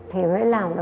thì nghĩ thật quá